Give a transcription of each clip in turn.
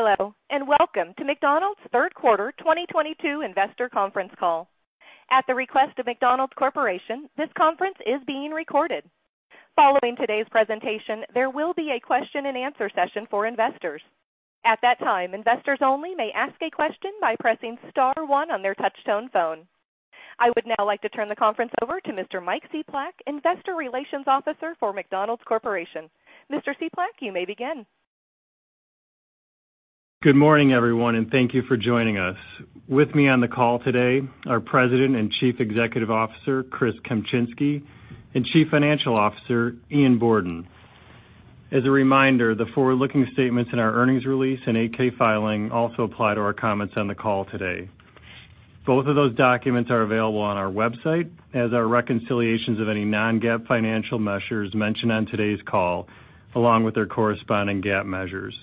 Hello, and welcome to McDonald's third quarter 2022 investor conference call. At the request of McDonald's Corporation, this conference is being recorded. Following today's presentation, there will be a question-and-answer session for investors. At that time, investors only may ask a question by pressing star one on their touch-tone phone. I would now like to turn the conference over to Mr. Mike Cieplak, Investor Relations Officer for McDonald's Corporation. Mr. Cieplak, you may begin. Good morning, everyone, and thank you for joining us. With me on the call today, our President and Chief Executive Officer, Chris Kempczinski, and Chief Financial Officer, Ian Borden. As a reminder, the forward-looking statements in our earnings release and 8-K filing also apply to our comments on the call today. Both of those documents are available on our website as our reconciliations of any non-GAAP financial measures mentioned on today's call, along with their corresponding GAAP measures.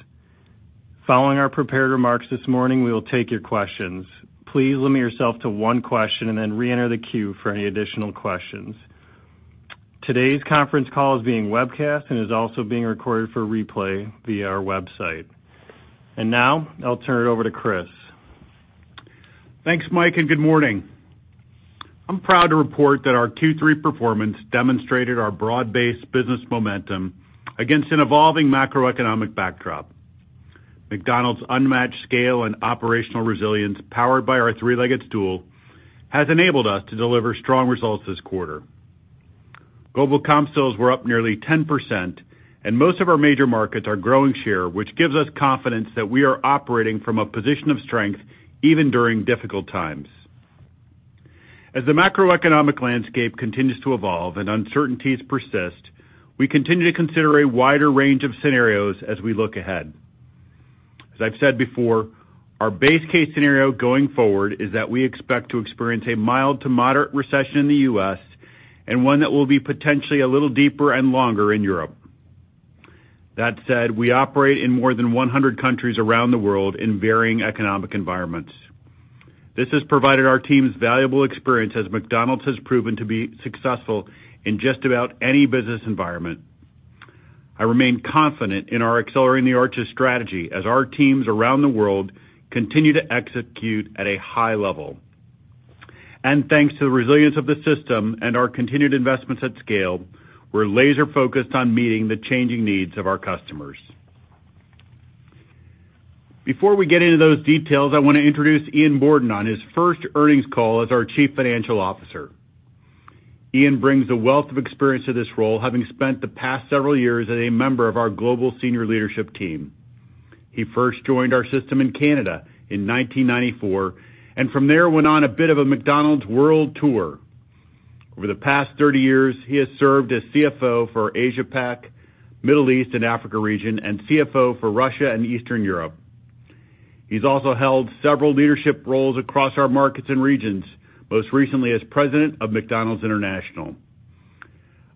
Following our prepared remarks this morning, we will take your questions. Please limit yourself to one question and then reenter the queue for any additional questions. Today's conference call is being webcast and is also being recorded for replay via our website. Now, I'll turn it over to Chris. Thanks, Mike, and good morning. I'm proud to report that our Q3 performance demonstrated our broad-based business momentum against an evolving macroeconomic backdrop. McDonald's unmatched scale and operational resilience, powered by our three-legged stool, has enabled us to deliver strong results this quarter. Global comp sales were up nearly 10%, and most of our major markets are growing share, which gives us confidence that we are operating from a position of strength even during difficult times. As the macroeconomic landscape continues to evolve and uncertainties persist, we continue to consider a wider range of scenarios as we look ahead. As I've said before, our base case scenario going forward is that we expect to experience a mild to moderate recession in the U.S. and one that will be potentially a little deeper and longer in Europe. That said, we operate in more than 100 countries around the world in varying economic environments. This has provided our teams valuable experience as McDonald's has proven to be successful in just about any business environment. I remain confident in our Accelerating the Arches strategy as our teams around the world continue to execute at a high level. Thanks to the resilience of the system and our continued investments at scale, we're laser-focused on meeting the changing needs of our customers. Before we get into those details, I want to introduce Ian Borden on his first earnings call as our Chief Financial Officer. Ian brings a wealth of experience to this role, having spent the past several years as a member of our global senior leadership team. He first joined our system in Canada in 1994, and from there, went on a bit of a McDonald's world tour. Over the past 30 years, he has served as CFO for Asia-Pac, Middle East, and Africa region, and CFO for Russia and Eastern Europe. He's also held several leadership roles across our markets and regions, most recently as president of McDonald's International.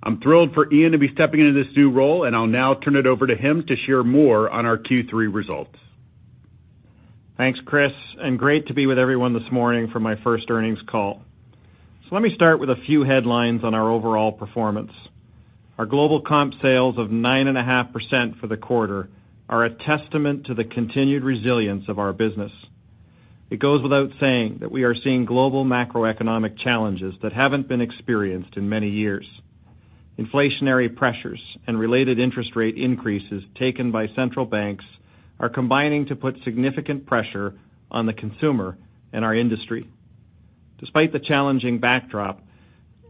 I'm thrilled for Ian to be stepping into this new role, and I'll now turn it over to him to share more on our Q3 results. Thanks, Chris, and great to be with everyone this morning for my first earnings call. Let me start with a few headlines on our overall performance. Our global comp sales of 9.5% for the quarter are a testament to the continued resilience of our business. It goes without saying that we are seeing global macroeconomic challenges that haven't been experienced in many years. Inflationary pressures and related interest rate increases taken by central banks are combining to put significant pressure on the consumer and our industry. Despite the challenging backdrop,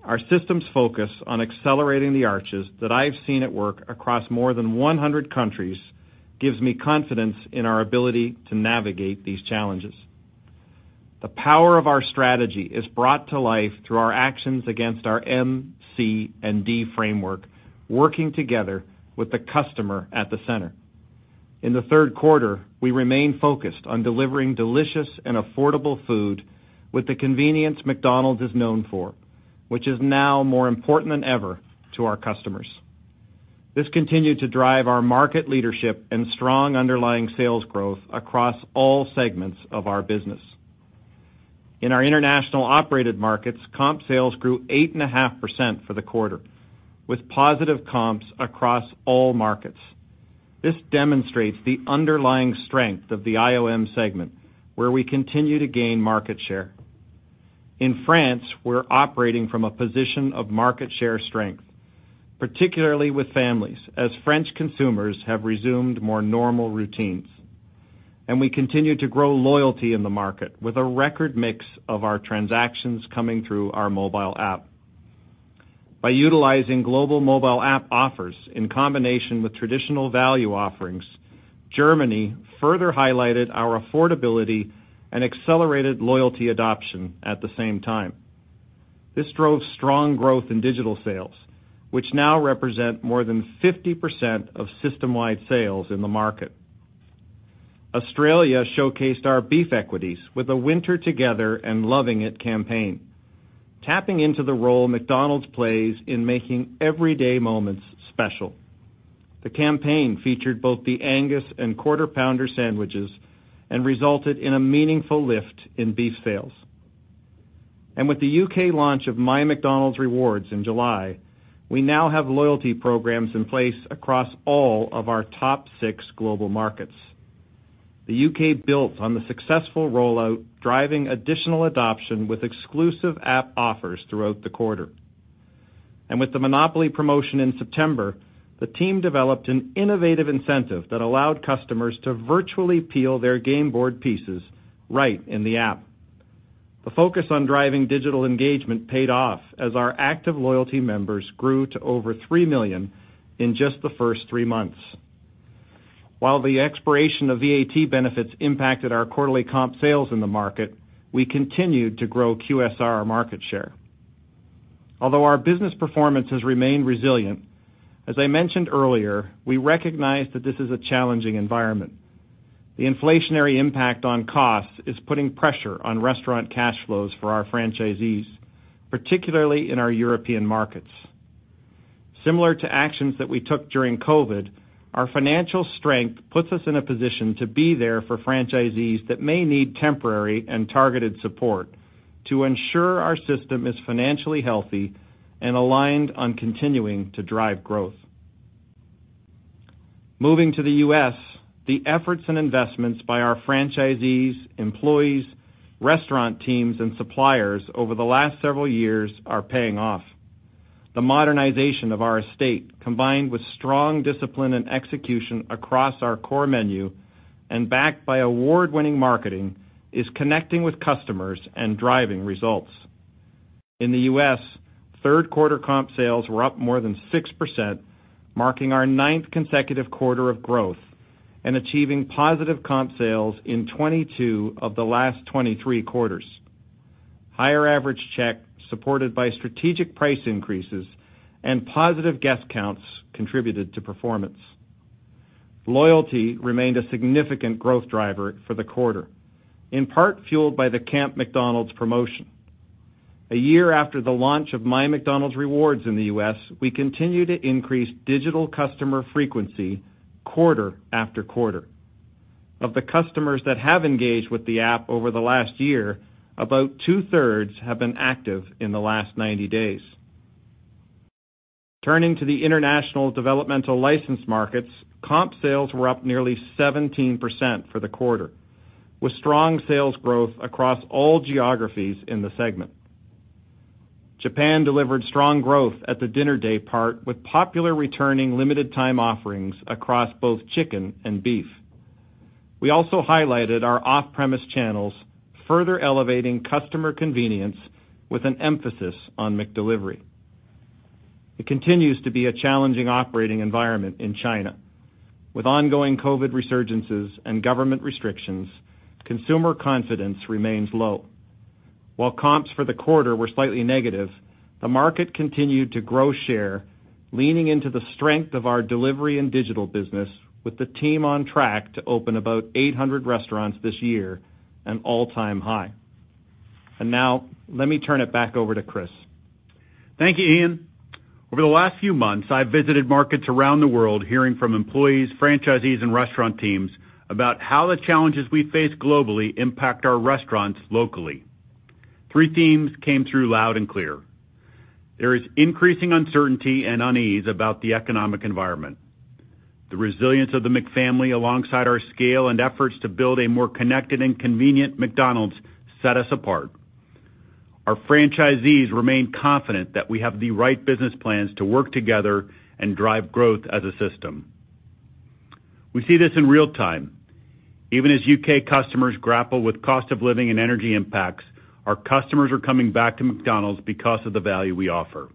our system's focus on Accelerating the Arches that I've seen at work across more than 100 countries gives me confidence in our ability to navigate these challenges. The power of our strategy is brought to life through our actions against our M, C, and D framework, working together with the customer at the center. In the third quarter, we remain focused on delivering delicious and affordable food with the convenience McDonald's is known for, which is now more important than ever to our customers. This continued to drive our market leadership and strong underlying sales growth across all segments of our business. In our international operated markets, comp sales grew 8.5% for the quarter, with positive comps across all markets. This demonstrates the underlying strength of the IOM segment, where we continue to gain market share. In France, we're operating from a position of market share strength, particularly with families, as French consumers have resumed more normal routines. We continue to grow loyalty in the market with a record mix of our transactions coming through our mobile app. By utilizing global mobile app offers in combination with traditional value offerings, Germany further highlighted our affordability and accelerated loyalty adoption at the same time. This drove strong growth in digital sales, which now represent more than 50% of system-wide sales in the market. Australia showcased our beef equities with a Winter Together and Lovin' It campaign, tapping into the role McDonald's plays in making everyday moments special. The campaign featured both the Angus and Quarter Pounder sandwiches and resulted in a meaningful lift in beef sales. With the U.K. launch of MyMcDonald's Rewards in July, we now have loyalty programs in place across all of our top six global markets. The U.K. built on the successful rollout, driving additional adoption with exclusive app offers throughout the quarter. With the Monopoly promotion in September, the team developed an innovative incentive that allowed customers to virtually peel their game board pieces right in the app. The focus on driving digital engagement paid off as our active loyalty members grew to over 3 million in just the first 3 months. While the expiration of VAT benefits impacted our quarterly comp sales in the market, we continued to grow QSR market share. Although our business performance has remained resilient, as I mentioned earlier, we recognize that this is a challenging environment. The inflationary impact on costs is putting pressure on restaurant cash flows for our franchisees, particularly in our European markets. Similar to actions that we took during COVID, our financial strength puts us in a position to be there for franchisees that may need temporary and targeted support to ensure our system is financially healthy and aligned on continuing to drive growth. Moving to the U.S., the efforts and investments by our franchisees, employees, restaurant teams, and suppliers over the last several years are paying off. The modernization of our estate, combined with strong discipline and execution across our core menu and backed by award-winning marketing, is connecting with customers and driving results. In the U.S., third quarter comp sales were up more than 6%, marking our ninth consecutive quarter of growth and achieving positive comp sales in 20 of the last 23 quarters. Higher average check, supported by strategic price increases and positive guest counts, contributed to performance. Loyalty remained a significant growth driver for the quarter, in part fueled by the Camp McDonald's promotion. A year after the launch of My McDonald's Rewards in the US, we continue to increase digital customer frequency quarter after quarter. Of the customers that have engaged with the app over the last year, about two-thirds have been active in the last 90 days. Turning to the international developmental license markets, comp sales were up nearly 17% for the quarter, with strong sales growth across all geographies in the segment. Japan delivered strong growth at the dinner daypart with popular returning limited-time offerings across both chicken and beef. We also highlighted our off-premise channels, further elevating customer convenience with an emphasis on McDelivery. It continues to be a challenging operating environment in China. With ongoing COVID resurgences and government restrictions, consumer confidence remains low. While comps for the quarter were slightly negative, the market continued to grow share, leaning into the strength of our delivery and digital business with the team on track to open about 800 restaurants this year, an all-time high. Now let me turn it back over to Chris. Thank you, Ian. Over the last few months, I've visited markets around the world hearing from employees, franchisees, and restaurant teams about how the challenges we face globally impact our restaurants locally. Three themes came through loud and clear. There is increasing uncertainty and unease about the economic environment. The resilience of the McFamily, alongside our scale and efforts to build a more connected and convenient McDonald's, set us apart. Our franchisees remain confident that we have the right business plans to work together and drive growth as a system. We see this in real time. Even as U.K. customers grapple with cost of living and energy impacts, our customers are coming back to McDonald's because of the value we offer.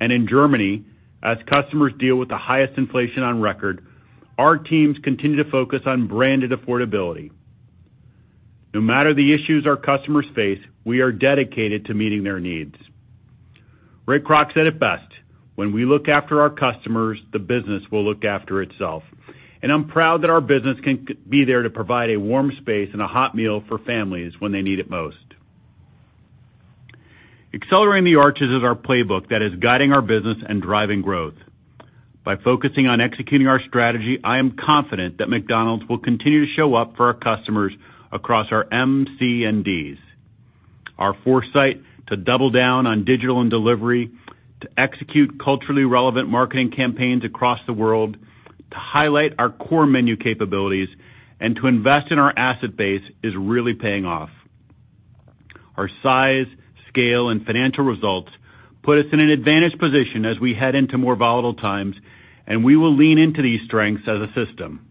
In Germany, as customers deal with the highest inflation on record, our teams continue to focus on branded affordability. No matter the issues our customers face, we are dedicated to meeting their needs. Ray Kroc said it best, "When we look after our customers, the business will look after itself." I'm proud that our business can be there to provide a warm space and a hot meal for families when they need it most. Accelerating the Arches is our playbook that is guiding our business and driving growth. By focusing on executing our strategy, I am confident that McDonald's will continue to show up for our customers across our MCDs. Our foresight to double down on digital and delivery, to execute culturally relevant marketing campaigns across the world, to highlight our core menu capabilities, and to invest in our asset base is really paying off. Our size, scale, and financial results put us in an advantageous position as we head into more volatile times, and we will lean into these strengths as a system.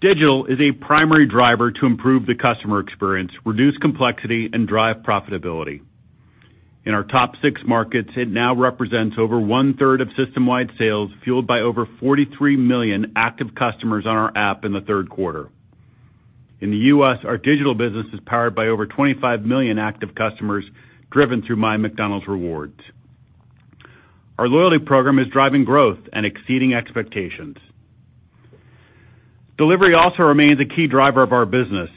Digital is a primary driver to improve the customer experience, reduce complexity, and drive profitability. In our top six markets, it now represents over one-third of system-wide sales, fueled by over 43 million active customers on our app in the third quarter. In the U.S., our digital business is powered by over 25 million active customers driven through MyMcDonald's Rewards. Our loyalty program is driving growth and exceeding expectations. Delivery also remains a key driver of our business.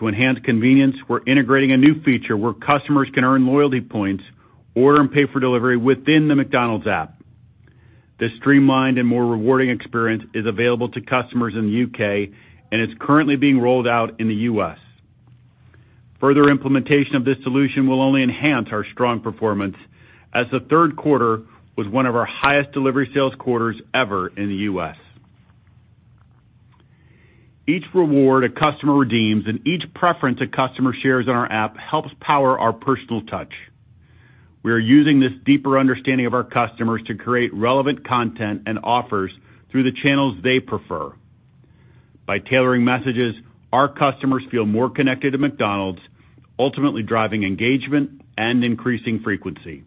To enhance convenience, we're integrating a new feature where customers can earn loyalty points, order and pay for delivery within the McDonald's app. This streamlined and more rewarding experience is available to customers in the U.K. and is currently being rolled out in the U.S. Further implementation of this solution will only enhance our strong performance, as the third quarter was one of our highest delivery sales quarters ever in the U.S. Each reward a customer redeems and each preference a customer shares on our app helps power our personal touch. We are using this deeper understanding of our customers to create relevant content and offers through the channels they prefer. By tailoring messages, our customers feel more connected to McDonald's, ultimately driving engagement and increasing frequency.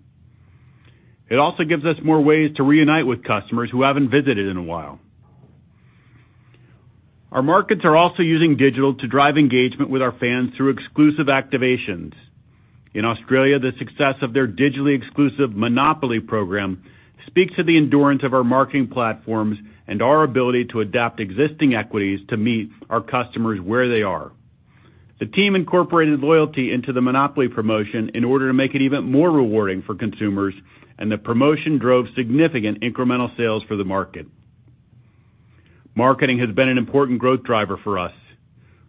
It also gives us more ways to reunite with customers who haven't visited in a while. Our markets are also using digital to drive engagement with our fans through exclusive activations. In Australia, the success of their digitally exclusive Monopoly program speaks to the endurance of our marketing platforms and our ability to adapt existing equities to meet our customers where they are. The team incorporated loyalty into the Monopoly promotion in order to make it even more rewarding for consumers, and the promotion drove significant incremental sales for the market. Marketing has been an important growth driver for us.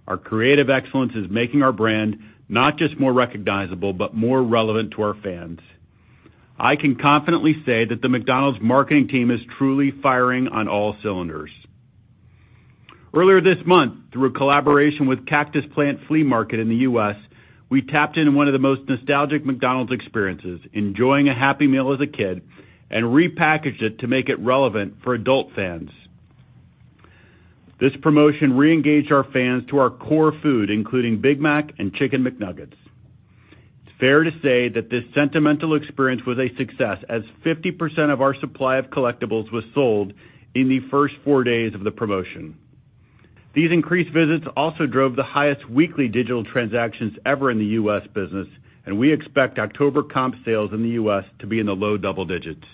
Our creative excellence is making our brand not just more recognizable, but more relevant to our fans. I can confidently say that the McDonald's marketing team is truly firing on all cylinders. Earlier this month, through a collaboration with Cactus Plant Flea Market in the U.S., we tapped into one of the most nostalgic McDonald's experiences, enjoying a Happy Meal as a kid, and repackaged it to make it relevant for adult fans. This promotion re-engaged our fans to our core food, including Big Mac and Chicken McNuggets. It's fair to say that this sentimental experience was a success, as 50% of our supply of collectibles was sold in the first four days of the promotion. These increased visits also drove the highest weekly digital transactions ever in the U.S. business, and we expect October comp sales in the U.S. to be in the low double digits.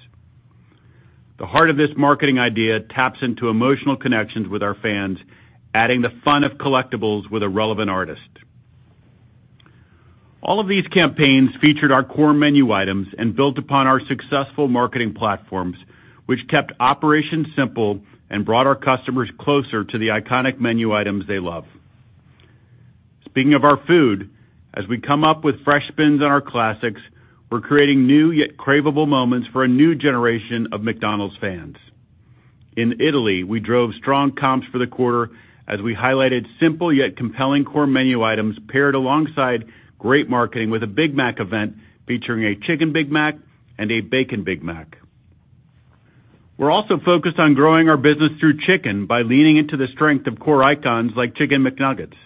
The heart of this marketing idea taps into emotional connections with our fans, adding the fun of collectibles with a relevant artist. All of these campaigns featured our core menu items and built upon our successful marketing platforms, which kept operations simple and brought our customers closer to the iconic menu items they love. Speaking of our food, as we come up with fresh spins on our classics, we're creating new yet craveable moments for a new generation of McDonald's fans. In Italy, we drove strong comps for the quarter as we highlighted simple yet compelling core menu items paired alongside great marketing with a Big Mac event featuring a Chicken Big Mac and a Big Mac Bacon. We're also focused on growing our business through chicken by leaning into the strength of core icons like Chicken McNuggets.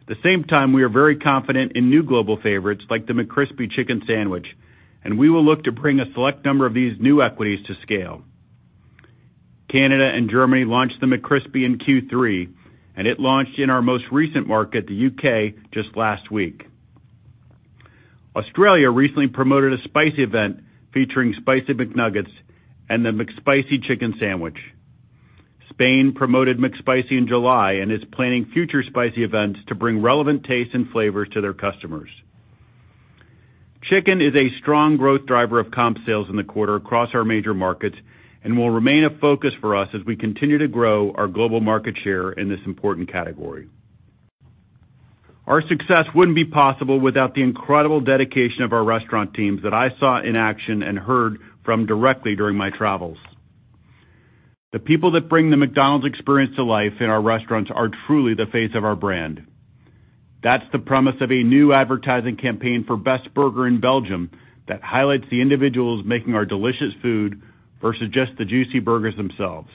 At the same time, we are very confident in new global favorites like the McCrispy Chicken Sandwich, and we will look to bring a select number of these new equities to scale. Canada and Germany launched the McCrispy in Q3, and it launched in our most recent market, the UK, just last week. Australia recently promoted a spicy event featuring Spicy McNuggets and the McSpicy Chicken Sandwich. Spain promoted McSpicy in July and is planning future spicy events to bring relevant tastes and flavors to their customers. Chicken is a strong growth driver of comp sales in the quarter across our major markets and will remain a focus for us as we continue to grow our global market share in this important category. Our success wouldn't be possible without the incredible dedication of our restaurant teams that I saw in action and heard from directly during my travels. The people that bring the McDonald's experience to life in our restaurants are truly the face of our brand. That's the premise of a new advertising campaign for Best Burger in Belgium that highlights the individuals making our delicious food versus just the juicy burgers themselves.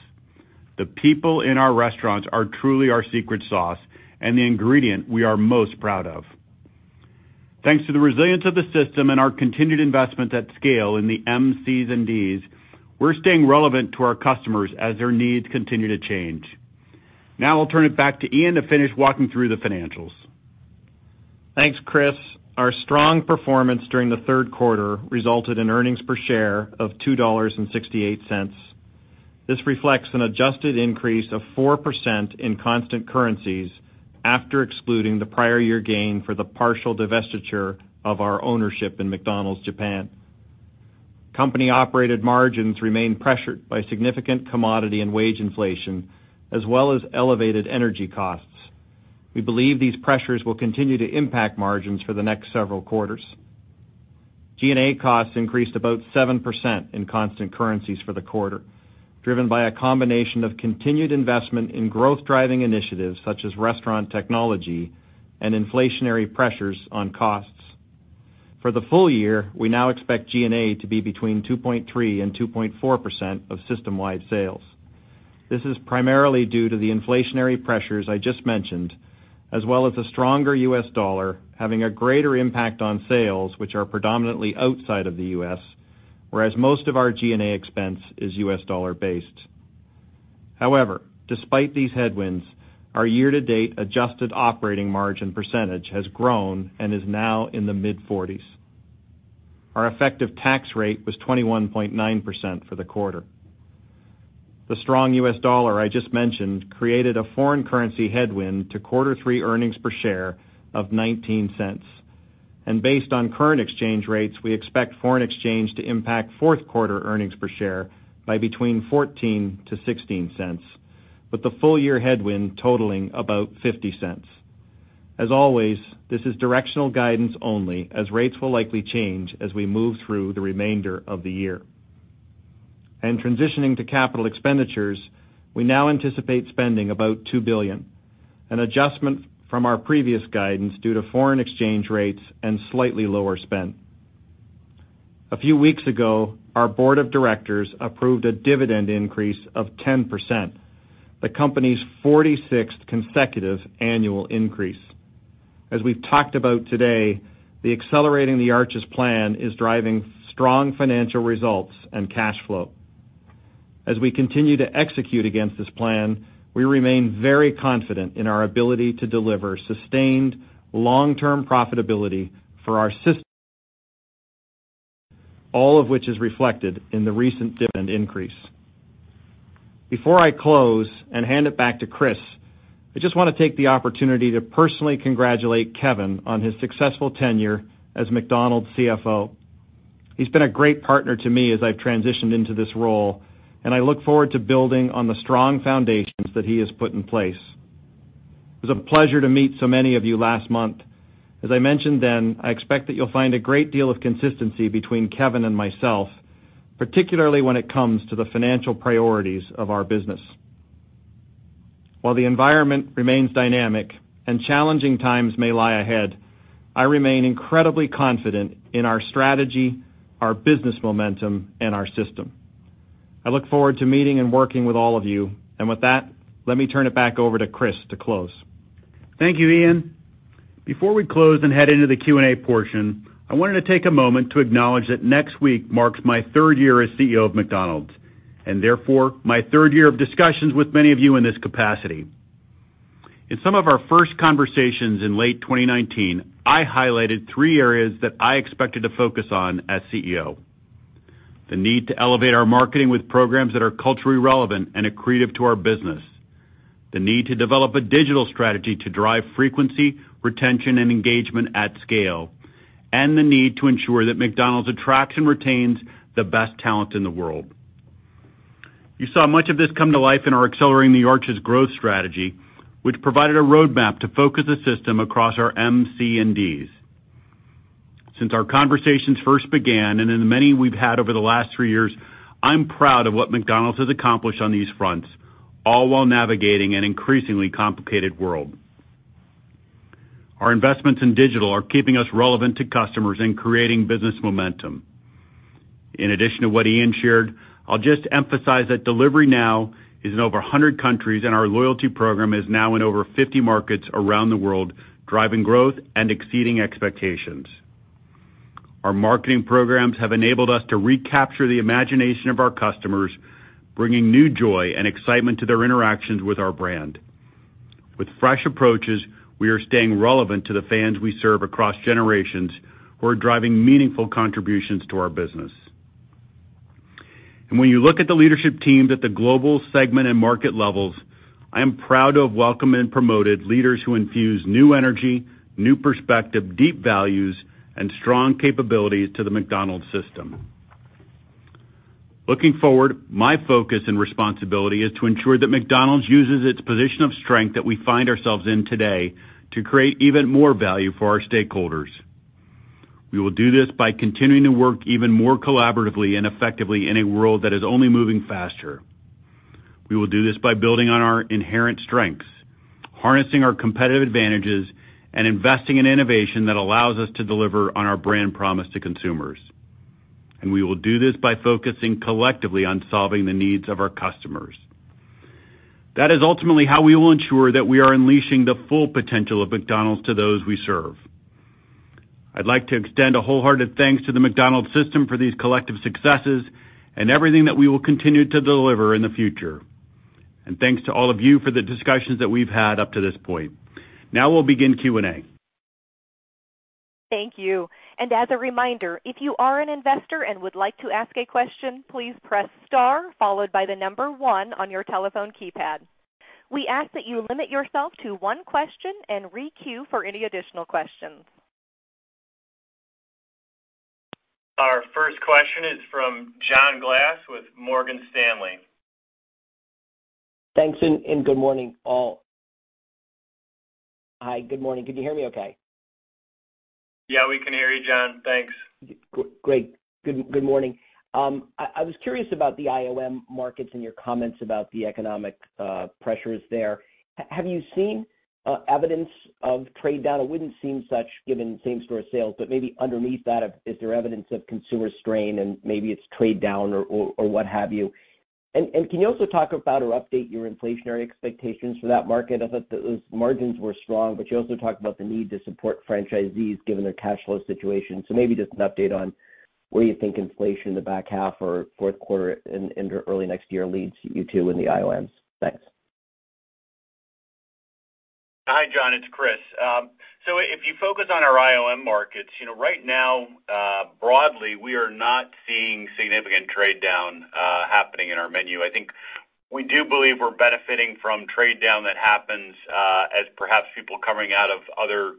The people in our restaurants are truly our secret sauce and the ingredient we are most proud of. Thanks to the resilience of the system and our continued investment at scale in the M, C, and Ds, we're staying relevant to our customers as their needs continue to change. Now I'll turn it back to Ian to finish walking through the financials. Thanks, Chris. Our strong performance during the third quarter resulted in earnings per share of $2.68. This reflects an adjusted increase of 4% in constant currencies after excluding the prior year gain for the partial divestiture of our ownership in McDonald's Japan. Company-operated margins remain pressured by significant commodity and wage inflation, as well as elevated energy costs. We believe these pressures will continue to impact margins for the next several quarters. G&A costs increased about 7% in constant currencies for the quarter, driven by a combination of continued investment in growth-driving initiatives such as restaurant technology and inflationary pressures on costs. For the full year, we now expect G&A to be between 2.3% and 2.4% of system-wide sales. This is primarily due to the inflationary pressures I just mentioned, as well as a stronger US dollar having a greater impact on sales which are predominantly outside of the U.S., whereas most of our G&A expense is US dollar based. However, despite these headwinds, our year-to-date adjusted operating margin percentage has grown and is now in the mid-40s%. Our effective tax rate was 21.9% for the quarter. The strong US dollar I just mentioned created a foreign currency headwind to quarter three earnings per share of $0.19. Based on current exchange rates, we expect foreign exchange to impact fourth quarter earnings per share by between $0.14-$0.16, with the full-year headwind totaling about $0.50. As always, this is directional guidance only as rates will likely change as we move through the remainder of the year. Transitioning to capital expenditures, we now anticipate spending about $2 billion, an adjustment from our previous guidance due to foreign exchange rates and slightly lower spend. A few weeks ago, our board of directors approved a dividend increase of 10%, the company's forty-sixth consecutive annual increase. As we've talked about today, the Accelerating the Arches plan is driving strong financial results and cash flow. As we continue to execute against this plan, we remain very confident in our ability to deliver sustained long-term profitability for our system, all of which is reflected in the recent dividend increase. Before I close and hand it back to Chris, I just want to take the opportunity to personally congratulate Kevin on his successful tenure as McDonald's CFO. He's been a great partner to me as I've transitioned into this role, and I look forward to building on the strong foundations that he has put in place. It was a pleasure to meet so many of you last month. As I mentioned then, I expect that you'll find a great deal of consistency between Kevin and myself, particularly when it comes to the financial priorities of our business. While the environment remains dynamic and challenging times may lie ahead, I remain incredibly confident in our strategy, our business momentum, and our system. I look forward to meeting and working with all of you. With that, let me turn it back over to Chris to close. Thank you, Ian. Before we close and head into the Q&A portion, I wanted to take a moment to acknowledge that next week marks my third year as CEO of McDonald's and therefore my third year of discussions with many of you in this capacity. In some of our first conversations in late 2019, I highlighted three areas that I expected to focus on as CEO. The need to elevate our marketing with programs that are culturally relevant and accretive to our business, the need to develop a digital strategy to drive frequency, retention, and engagement at scale, and the need to ensure that McDonald's attracts and retains the best talent in the world. You saw much of this come to life in our Accelerating the Arches growth strategy, which provided a roadmap to focus the system across our MC&Ds. Since our conversations first began and in the many we've had over the last three years, I'm proud of what McDonald's has accomplished on these fronts, all while navigating an increasingly complicated world. Our investments in digital are keeping us relevant to customers and creating business momentum. In addition to what Ian shared, I'll just emphasize that delivery now is in over 100 countries, and our loyalty program is now in over 50 markets around the world, driving growth and exceeding expectations. Our marketing programs have enabled us to recapture the imagination of our customers, bringing new joy and excitement to their interactions with our brand. With fresh approaches, we are staying relevant to the fans we serve across generations who are driving meaningful contributions to our business. When you look at the leadership teams at the global segment and market levels, I am proud to have welcomed and promoted leaders who infuse new energy, new perspective, deep values, and strong capabilities to the McDonald's system. Looking forward, my focus and responsibility is to ensure that McDonald's uses its position of strength that we find ourselves in today to create even more value for our stakeholders. We will do this by continuing to work even more collaboratively and effectively in a world that is only moving faster. We will do this by building on our inherent strengths, harnessing our competitive advantages, and investing in innovation that allows us to deliver on our brand promise to consumers. We will do this by focusing collectively on solving the needs of our customers. That is ultimately how we will ensure that we are unleashing the full potential of McDonald's to those we serve. I'd like to extend a wholehearted thanks to the McDonald's system for these collective successes and everything that we will continue to deliver in the future. Thanks to all of you for the discussions that we've had up to this point. Now we'll begin Q&A. Thank you. As a reminder, if you are an investor and would like to ask a question, please press star followed by one on your telephone keypad. We ask that you limit yourself to one question and re-queue for any additional questions. Our first question is from John Glass with Morgan Stanley. Thanks, good morning, all. Hi, good morning. Can you hear me okay? Yeah, we can hear you, John. Thanks. Great. Good morning. I was curious about the IOM markets and your comments about the economic pressures there. Have you seen evidence of trade down? It wouldn't seem such given same-store sales, but maybe underneath that, is there evidence of consumer strain and maybe it's trade down or what have you? Can you also talk about or update your inflationary expectations for that market? I thought those margins were strong, but you also talked about the need to support franchisees given their cash flow situation. So maybe just an update on where you think inflation in the back half or fourth quarter into early next year leads you to in the IOMs. Thanks. John, it's Chris. So if you focus on our IOM markets, you know, right now, broadly, we are not seeing significant trade down happening in our menu. I think we do believe we're benefiting from trade down that happens as perhaps people coming out of other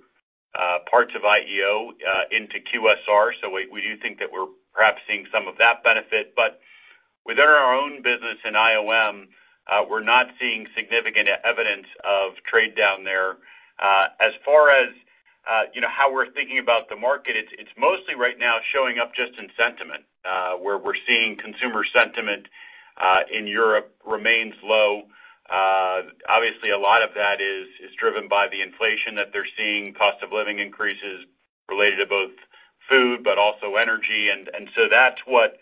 parts of IEO into QSR. So we do think that we're perhaps seeing some of that benefit. But within our own business in IOM, we're not seeing significant evidence of trade down there. As far as you know, how we're thinking about the market, it's mostly right now showing up just in sentiment, where we're seeing consumer sentiment in Europe remains low. Obviously, a lot of that is driven by the inflation that they're seeing, cost of living increases related to both food, but also energy. That's what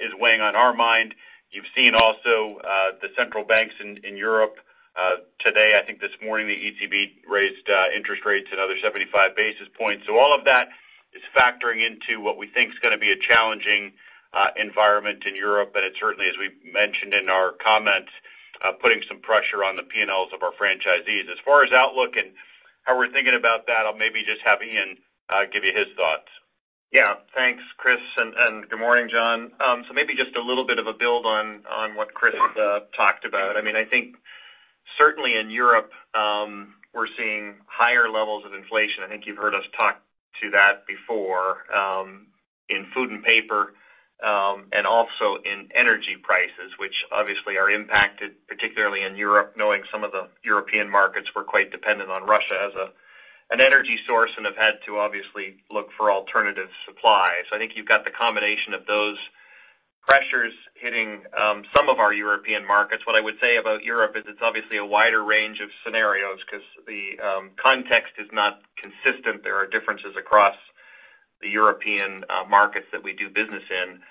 is weighing on our mind. You've seen also the central banks in Europe today. I think this morning, the ECB raised interest rates another 75 basis points. All of that is factoring into what we think is gonna be a challenging environment in Europe. It certainly, as we mentioned in our comments, putting some pressure on the P&Ls of our franchisees. As far as outlook and how we're thinking about that, I'll maybe just have Ian give you his thoughts. Yeah. Thanks, Chris, and good morning, John. Maybe just a little bit of a build on what Chris talked about. I mean, I think certainly in Europe, we're seeing higher levels of inflation. I think you've heard us talk about that before, in food and paper, and also in energy prices, which obviously are impacted, particularly in Europe, knowing some of the European markets were quite dependent on Russia as an energy source and have had to obviously look for alternative supplies. I think you've got the combination of those pressures hitting some of our European markets. What I would say about Europe is it's obviously a wider range of scenarios because the context is not consistent. There are differences across the European markets that we do business in.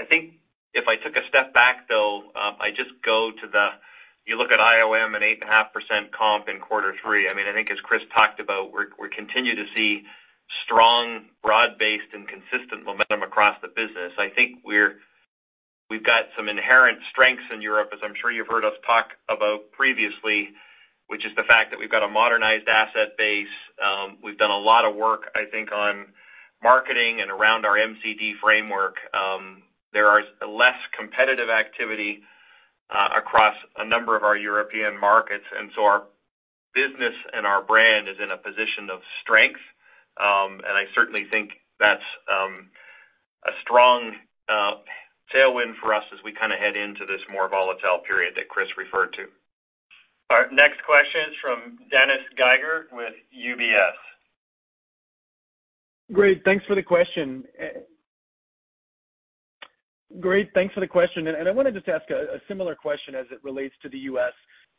I think if I took a step back, though, I just go to IOM and 8.5% comp in quarter three. I mean, I think as Chris talked about, we continue to see strong, broad-based, and consistent momentum across the business. I think we've got some inherent strengths in Europe, as I'm sure you've heard us talk about previously, which is the fact that we've got a modernized asset base. We've done a lot of work, I think, on marketing and around our MCD framework. There are less competitive activity across a number of our European markets, and so our business and our brand is in a position of strength. I certainly think that's a strong tailwind for us as we kinda head into this more volatile period that Chris referred to. All right, next question is from Dennis Geiger with UBS. Great, thanks for the question. I want to just ask a similar question as it relates to the U.S.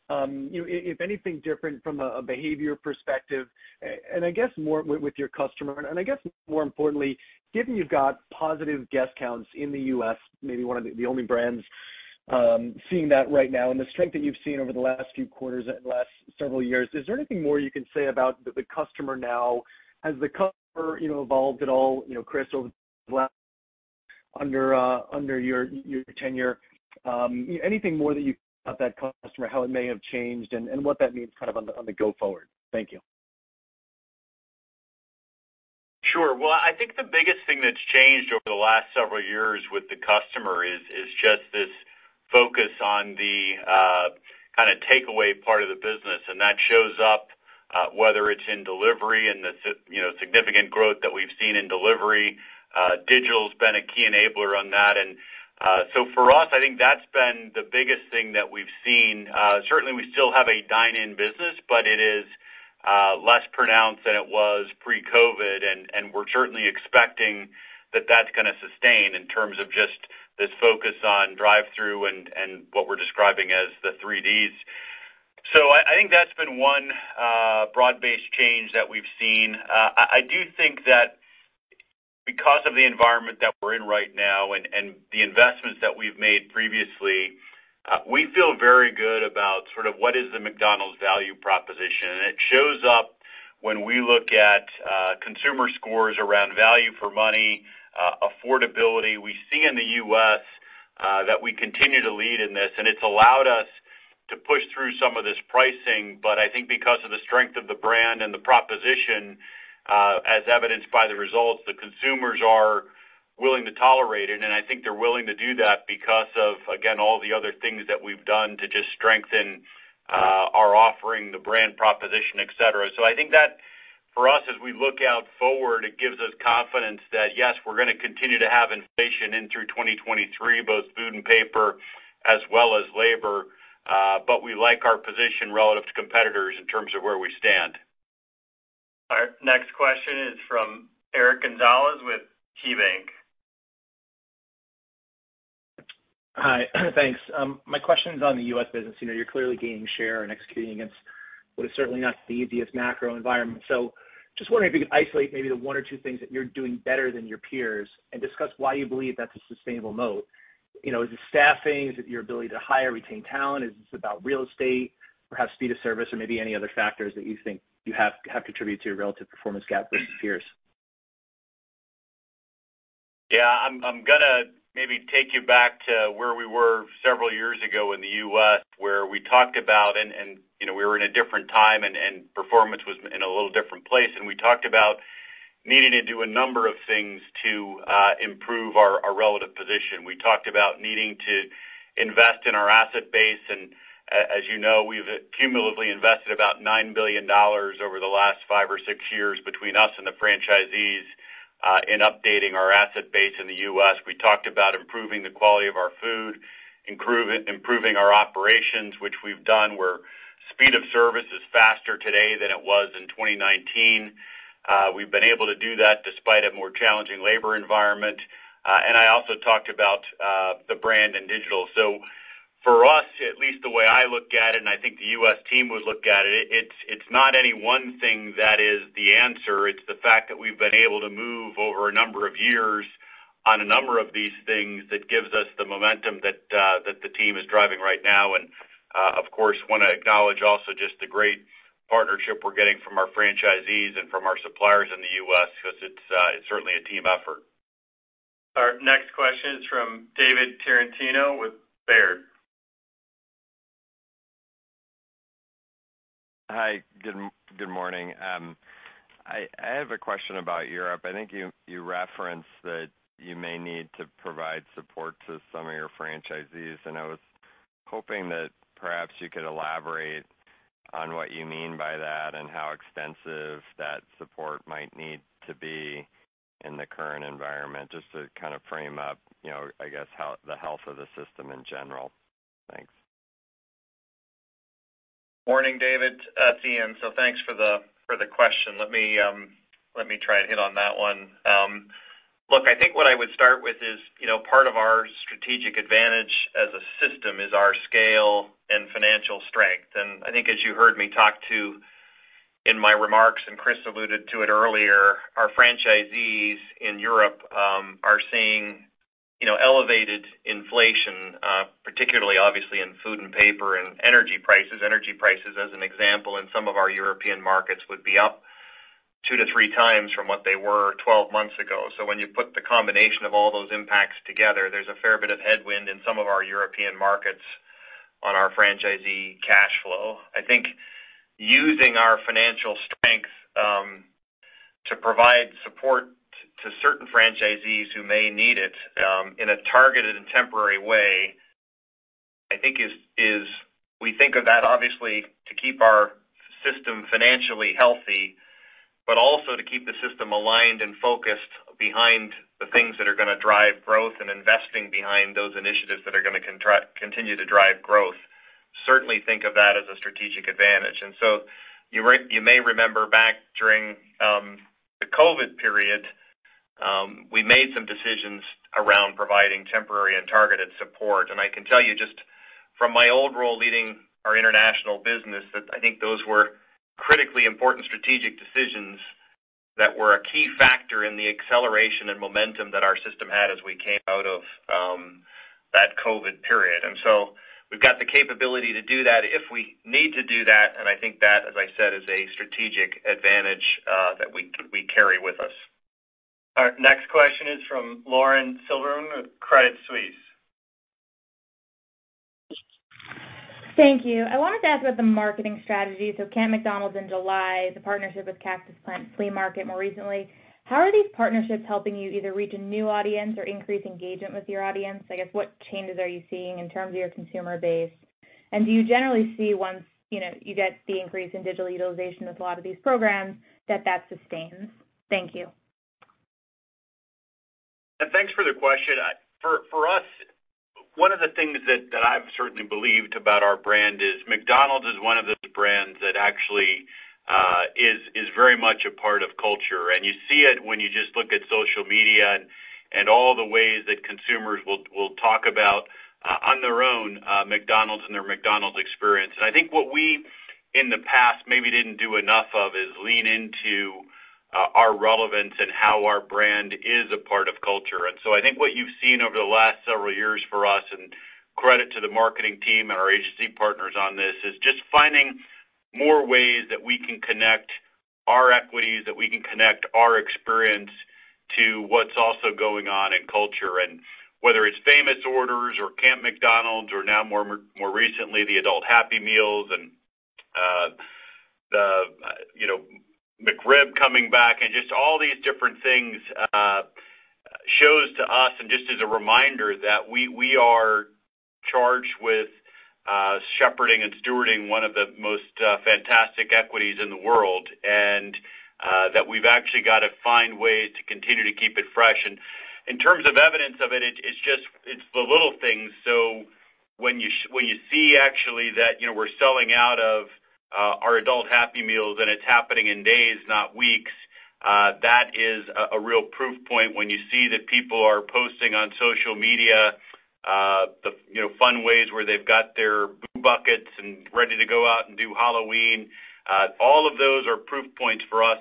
You know, if anything different from a behavior perspective, and I guess more with your customer. I guess more importantly, given you've got positive guest counts in the U.S., maybe one of the only brands seeing that right now and the strength that you've seen over the last few quarters and last several years, is there anything more you can say about the customer now? Has the customer, you know, evolved at all, you know, Chris, over the last, under your tenure? Anything more that you about that customer, how it may have changed and what that means kind of on the go forward? Thank you. Sure. Well, I think the biggest thing that's changed over the last several years with the customer is just this focus on the kinda takeaway part of the business, and that shows up whether it's in delivery and you know, significant growth that we've seen in delivery. Digital has been a key enabler on that. For us, I think that's been the biggest thing that we've seen. Certainly we still have a dine-in business, but it is less pronounced than it was pre-COVID. We're certainly expecting that that's gonna sustain in terms of just this focus on drive-thru and what we're describing as the three Ds. I think that's been one broad-based change that we've seen. I do think that because of the environment that we're in right now and the investments that we've made previously, we feel very good about sort of what is the McDonald's value proposition. It shows up when we look at consumer scores around value for money, affordability. We see in the U.S. that we continue to lead in this, and it's allowed us to push through some of this pricing. I think because of the strength of the brand and the proposition, as evidenced by the results, the consumers are willing to tolerate it. I think they're willing to do that because of, again, all the other things that we've done to just strengthen our offering, the brand proposition, et cetera. I think that for us, as we look out forward, it gives us confidence that, yes, we're gonna continue to have inflation in through 2023, both food and paper as well as labor. We like our position relative to competitors in terms of where we stand. All right, next question is from Eric Gonzalez with KeyBanc. Hi. Thanks. My question is on the US business. You know, you're clearly gaining share and executing against what is certainly not the easiest macro environment. Just wondering if you could isolate maybe the one or two things that you're doing better than your peers and discuss why you believe that's a sustainable moat. You know, is it staffing? Is it your ability to hire, retain talent? Is this about real estate, perhaps speed of service, or maybe any other factors that you think you have contributed to your relative performance gap versus peers? I'm gonna maybe take you back to where we were several years ago in the U.S., where we talked about, you know, we were in a different time and performance was in a little different place. We talked about needing to do a number of things to improve our relative position. We talked about needing to invest in our asset base. As you know, we've cumulatively invested about $9 billion over the last five or six years between us and the franchisees in updating our asset base in the U.S. We talked about improving the quality of our food, improving our operations, which we've done, where speed of service is faster today than it was in 2019. We've been able to do that despite a more challenging labor environment. I also talked about the brand and digital. For us, at least the way I look at it, and I think the U.S. team would look at it's not any one thing that is the answer. It's the fact that we've been able to move over a number of years on a number of these things that gives us the momentum that the team is driving right now. Of course, wanna acknowledge also just the great partnership we're getting from our franchisees and from our suppliers in the US because it's certainly a team effort. Our next question is from David Tarantino with Baird. Hi, good morning. I have a question about Europe. I think you referenced that you may need to provide support to some of your franchisees, and I was hoping that perhaps you could elaborate on what you mean by that and how extensive that support might need to be in the current environment, just to kind of frame up, you know, I guess, how the health of the system in general. Thanks. Morning, David. It's Ian. Thanks for the question. Let me try and hit on that one. Look, I think what I would start with is, you know, part of our strategic advantage as a system is our scale and financial strength. I think as you heard me talk to in my remarks, and Chris alluded to it earlier, our franchisees in Europe are seeing, you know, elevated inflation, particularly obviously in food and paper and energy prices. Energy prices, as an example, in some of our European markets would be up 2-3 times from what they were 12 months ago. When you put the combination of all those impacts together, there's a fair bit of headwind in some of our European markets on our franchisee cash flow. I think using our financial strength to provide support to certain franchisees who may need it in a targeted and temporary way, I think is we think of that obviously to keep our system financially healthy, but also to keep the system aligned and focused behind the things that are gonna drive growth and investing behind those initiatives that are gonna continue to drive growth. Certainly think of that as a strategic advantage. You may remember back during the COVID period, we made some decisions around providing temporary and targeted support. I can tell you just from my old role leading our international business, that I think those were critically important strategic decisions that were a key factor in the acceleration and momentum that our system had as we came out of that COVID period. We've got the capability to do that if we need to do that, and I think that, as I said, is a strategic advantage that we carry with us. Our next question is from Lauren Silberman with Credit Suisse. Thank you. I wanted to ask about the marketing strategy. Camp McDonald's in July, the partnership with Cactus Plant Flea Market more recently. How are these partnerships helping you either reach a new audience or increase engagement with your audience? I guess, what changes are you seeing in terms of your consumer base? Do you generally see once, you know, you get the increase in digital utilization with a lot of these programs that sustains? Thank you. Thanks for the question. For us, one of the things that I've certainly believed about our brand is McDonald's is one of those brands that actually is very much a part of culture. You see it when you just look at social media and all the ways that consumers will talk about on their own McDonald's and their McDonald's experience. I think what we in the past maybe didn't do enough of is lean into our relevance and how our brand is a part of culture. I think what you've seen over the last several years for us, and credit to the marketing team and our agency partners on this, is just finding more ways that we can connect our equities, that we can connect our experience to what's also going on in culture. Whether it's famous orders or Camp McDonald's or now more recently, the Adult Happy Meals and, you know, the McRib coming back and just all these different things, shows to us and just as a reminder that we are charged with shepherding and stewarding one of the most fantastic equities in the world, and that we've actually got to find ways to continue to keep it fresh. In terms of evidence of it's just, it's the little things. When you see actually that, you know, we're selling out of our Adult Happy Meals and it's happening in days, not weeks, that is a real proof point. When you see that people are posting on social media, the, you know, fun ways where they've got their Boo Buckets and ready to go out and do Halloween, all of those are proof points for us.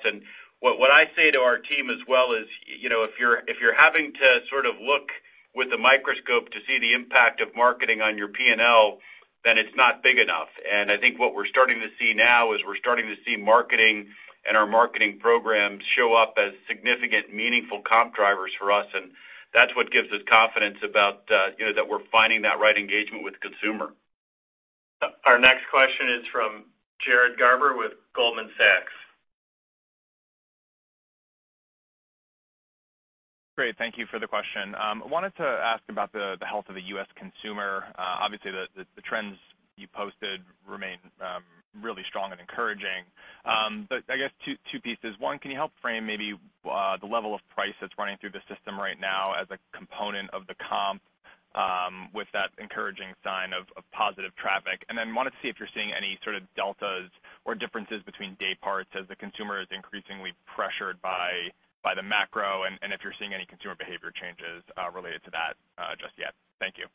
What I say to our team as well is, you know, if you're having to sort of look with a microscope to see the impact of marketing on your P&L, then it's not big enough. I think what we're starting to see now is we're starting to see marketing and our marketing programs show up as significant, meaningful comp drivers for us. That's what gives us confidence about, you know, that we're finding that right engagement with consumer. Our next question is from Jared Garber with Goldman Sachs. Great. Thank you for the question. I wanted to ask about the health of the U.S. consumer. Obviously, the trends you posted remain really strong and encouraging. I guess two pieces. One, can you help frame maybe the level of price that's running through the system right now as a component of the comp with that encouraging sign of positive traffic? Wanted to see if you're seeing any sort of deltas or differences between day parts as the consumer is increasingly pressured by the macro, and if you're seeing any consumer behavior changes related to that just yet. Thank you.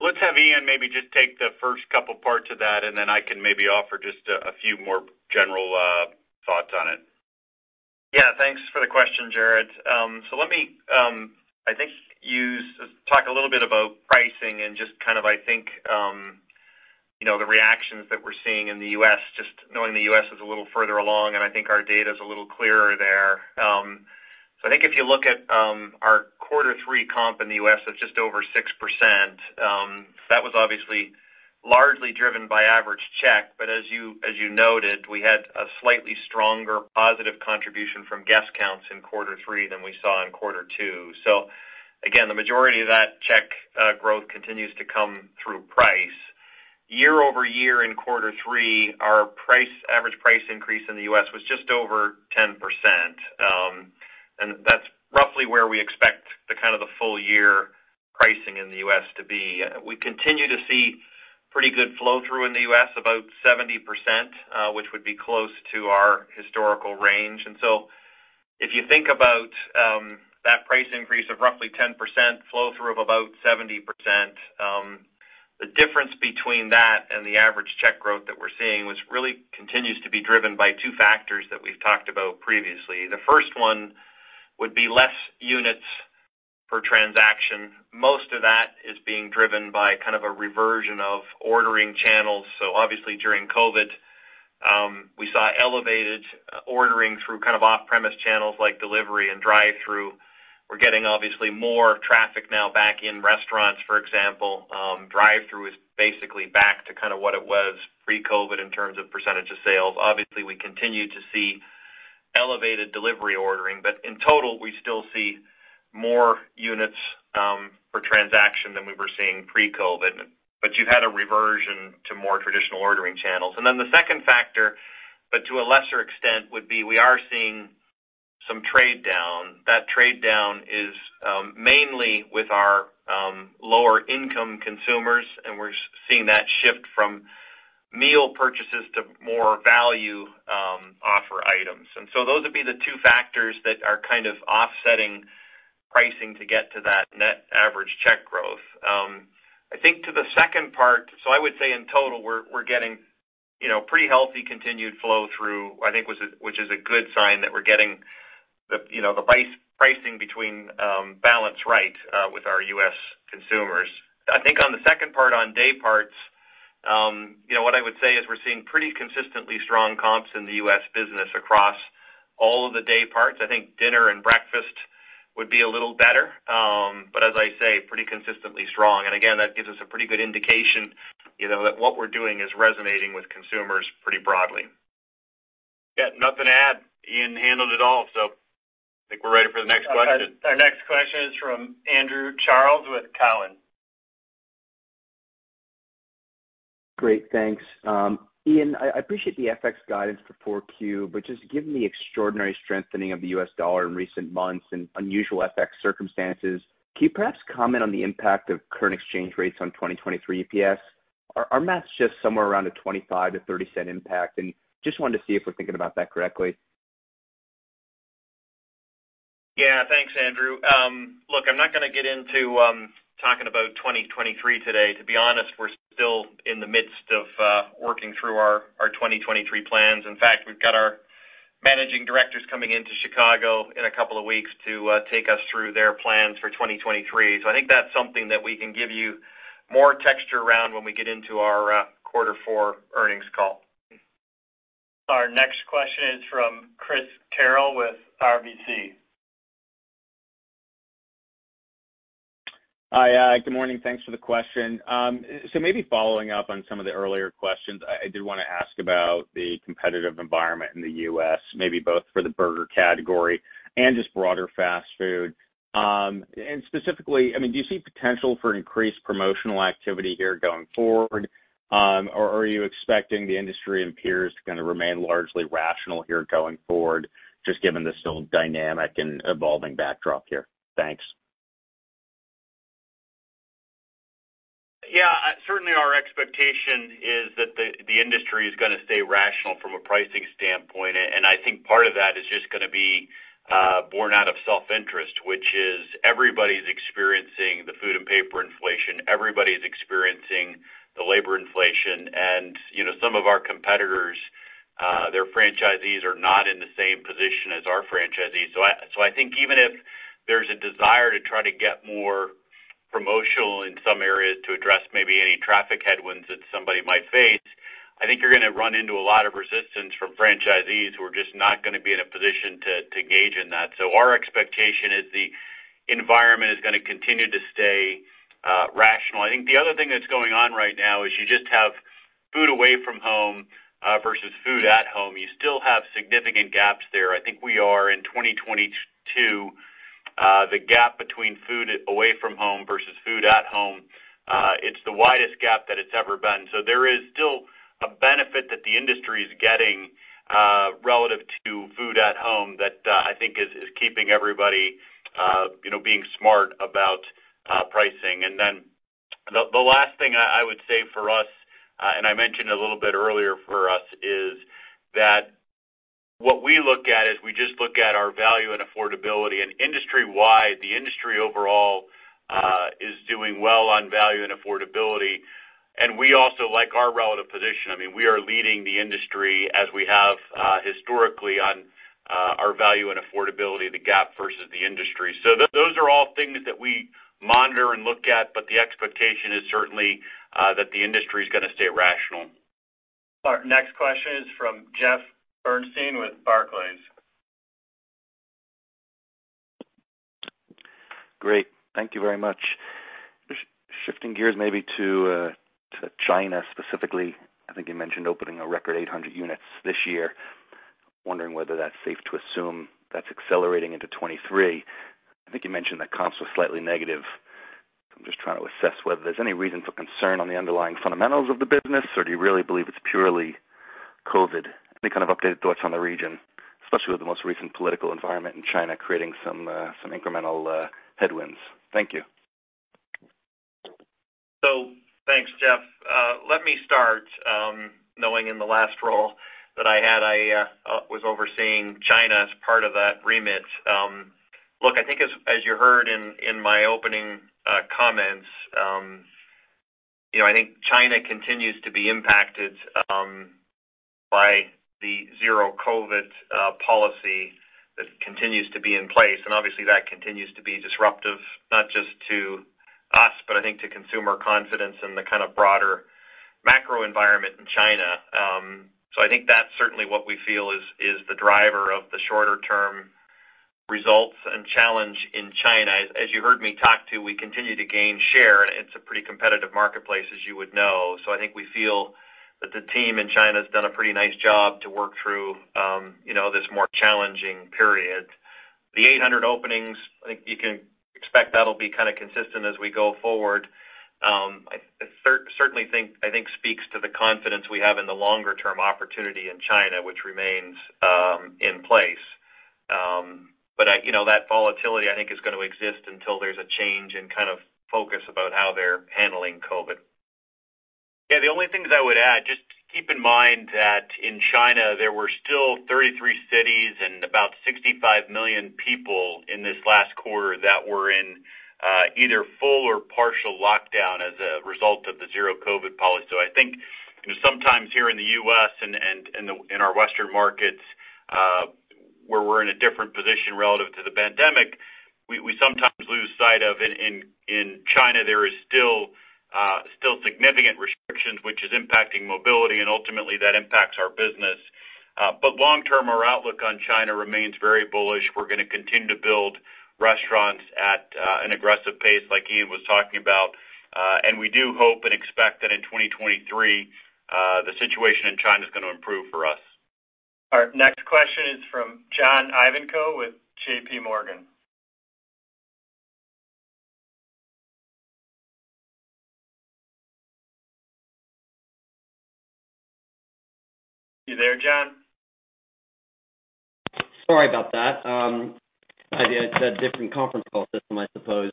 Let's have Ian maybe just take the first couple parts of that, and then I can maybe offer just a few more general thoughts on it. Yeah, thanks for the question, Jared. Let me talk a little bit about pricing and just kind of, I think, you know, the reactions that we're seeing in the U.S., just knowing the U.S. is a little further along, and I think our data's a little clearer there. I think if you look at our quarter three comp in the U.S., that's just over 6%. That was obviously largely driven by average check. As you noted, we had a slightly stronger positive contribution from guest counts in quarter three than we saw in quarter two. Again, the majority of that check growth continues to come through price. Year-over-year in quarter three, our average price increase in the U.S. was just over 10%. That's roughly where we expect the kind of the full year pricing in the US to be. We continue to see pretty good flow through in the U.S., about 70%, which would be close to our historical range. If you think about that price increase of roughly 10%, flow through of about 70%, the difference between that and the average check growth that we're seeing, which really continues to be driven by two factors that we've talked about previously. The first one would be less units per transaction. Most of that is being driven by kind of a reversion of ordering channels. Obviously, during COVID, we saw elevated ordering through kind of off-premise channels like delivery and drive-thru. We're getting obviously more traffic now back in restaurants, for example. Drive-thru is basically back to kind of what it was pre-COVID in terms of percentage of sales. Obviously, we continue to see elevated delivery ordering, but in total, we still see more units per transaction than we were seeing pre-COVID. You had a reversion to more traditional ordering channels. The second factor, but to a lesser extent, would be we are seeing some trade down. That trade down is mainly with our lower income consumers, and we're seeing that shift from meal purchases to more value offer items. Those would be the two factors that are kind of offsetting pricing to get to that net average check growth. I think to the second part. I would say in total, we're getting, you know, pretty healthy continued flow through, which is a good sign that we're getting the balance right with our U.S. consumers. I think on the second part on day parts, you know, what I would say is we're seeing pretty consistently strong comps in the U.S. business across all of the day parts. I think dinner and breakfast would be a little better. As I say, pretty consistently strong. Again, that gives us a pretty good indication, you know, that what we're doing is resonating with consumers pretty broadly. Yeah, nothing to add. Ian handled it all. I think we're ready for the next question. Our next question is from Andrew Charles with Cowen. Great, thanks. Ian, I appreciate the FX guidance for Q4, but just given the extraordinary strengthening of the US dollar in recent months and unusual FX circumstances, can you perhaps comment on the impact of current exchange rates on 2023 EPS? Our math's just somewhere around a $0.25-$0.30 impact, and just wanted to see if we're thinking about that correctly. Yeah. Thanks, Andrew. Look, I'm not gonna get into talking about 2023 today. To be honest, we're still in the midst of working through our 2023 plans. In fact, we've got our managing directors coming into Chicago in a couple of weeks to take us through their plans for 2023. I think that's something that we can give you more texture around when we get into our quarter four earnings call. Our next question is from Christopher Carril with RBC. Hi, good morning. Thanks for the question. Maybe following up on some of the earlier questions, I do wanna ask about the competitive environment in the U.S., maybe both for the burger category and just broader fast food. Specifically, I mean, do you see potential for increased promotional activity here going forward? Are you expecting the industry and peers to kind of remain largely rational here going forward, just given the still dynamic and evolving backdrop here? Thanks. Yeah. Certainly our expectation is that the industry is gonna stay rational from a pricing standpoint. I think part of that is just gonna be born out of self-interest, which is everybody's experiencing the food and paper inflation, everybody's experiencing the labor inflation. You know, some of our competitors. Their franchisees are not in the same position as our franchisees. I think even if there's a desire to try to get more promotional in some areas to address maybe any traffic headwinds that somebody might face, you're gonna run into a lot of resistance from franchisees who are just not gonna be in a position to engage in that. Our expectation is the environment is gonna continue to stay rational. I think the other thing that's going on right now is you just have food away from home versus food at home. You still have significant gaps there. I think we are in 2022, the gap between food away from home versus food at home, it's the widest gap that it's ever been. There is still a benefit that the industry is getting relative to food at home that I think is keeping everybody you know being smart about pricing. The last thing I would say for us, and I mentioned a little bit earlier for us, is that what we look at is we just look at our value and affordability. Industry-wide, the industry overall is doing well on value and affordability, and we also like our relative position. I mean, we are leading the industry as we have historically on our value and affordability, the gap versus the industry. Those are all things that we monitor and look at, but the expectation is certainly that the industry is gonna stay rational. Our next question is from Jeffrey Bernstein with Barclays. Great. Thank you very much. Shifting gears maybe to China specifically. I think you mentioned opening a record 800 units this year. Wondering whether that's safe to assume that's accelerating into 2023. I think you mentioned that comps were slightly negative. I'm just trying to assess whether there's any reason for concern on the underlying fundamentals of the business, or do you really believe it's purely COVID? Any kind of updated thoughts on the region, especially with the most recent political environment in China creating some incremental headwinds. Thank you. Thanks, Jeff. Let me start knowing in the last role that I had, I was overseeing China as part of that remit. Look, I think as you heard in my opening comments, you know, I think China continues to be impacted by the zero COVID policy that continues to be in place. Obviously, that continues to be disruptive, not just to us, but I think to consumer confidence in the kind of broader macro environment in China. I think that's certainly what we feel is the driver of the shorter term results and challenge in China. As you heard me talk to, we continue to gain share, and it's a pretty competitive marketplace, as you would know. I think we feel that the team in China has done a pretty nice job to work through this more challenging period. The 800 openings, I think you can expect that'll be kind of consistent as we go forward. I certainly think it speaks to the confidence we have in the longer term opportunity in China, which remains in place. That volatility I think is going to exist until there's a change in kind of focus about how they're handling COVID. The only things I would add, just keep in mind that in China, there were still 33 cities and about 65 million people in this last quarter that were in either full or partial lockdown as a result of the zero COVID policy. I think, you know, sometimes here in the US and in our Western markets, where we're in a different position relative to the pandemic, we sometimes lose sight of in China, there is still significant restrictions, which is impacting mobility, and ultimately that impacts our business. Long term, our outlook on China remains very bullish. We're gonna continue to build restaurants at an aggressive pace like Ian was talking about. We do hope and expect that in 2023, the situation in China is gonna improve for us. Our next question is from John Ivankoe with JP Morgan. You there, John? Sorry about that. I did a different conference call system, I suppose.